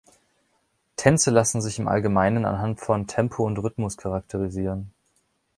Tänze lassen sich im Allgemeinen anhand von Tempo und Rhythmus charakterisieren.